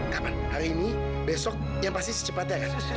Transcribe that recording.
kapan hari ini besok yang pasti secepatnya kan